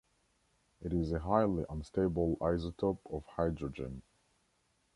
It is a highly unstable isotope of hydrogen.